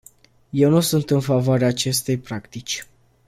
Eu nu sunt în favoarea acestei practici.